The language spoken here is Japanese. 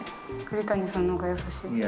栗谷さんの方が優しい。